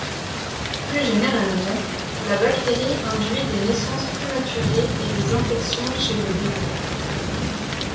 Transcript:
Plus généralement, la bactérie induit des naissances prématurées et des infections chez le bébé.